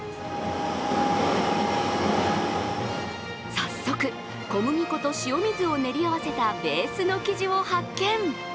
早速、小麦粉と塩水を練り合わせたベースの生地を発見。